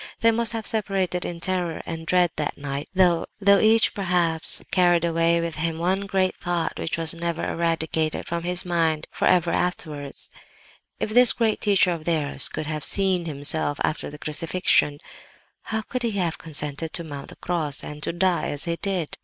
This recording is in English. They must have separated in terror and dread that night, though each perhaps carried away with him one great thought which was never eradicated from his mind for ever afterwards. If this great Teacher of theirs could have seen Himself after the Crucifixion, how could He have consented to mount the Cross and to die as He did?